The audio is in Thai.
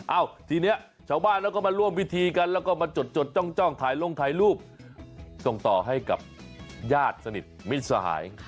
เอ้าทีนี้ชาวบ้านแล้วก็มาร่วมพิธีกันแล้วก็มาจดจ้องถ่ายลงถ่ายรูปส่งต่อให้กับญาติสนิทมิตรสหาย